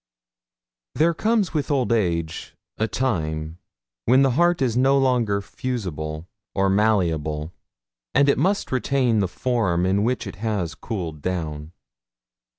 There comes with old age a time when the heart is no longer fusible or malleable, and must retain the form in which it has cooled down.